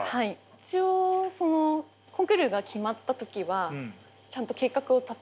一応コンクールが決まった時はちゃんと計画を立てるんですよ